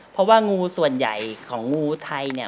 เพราะว่างูส่วนใหญ่ของงูไทยเนี่ย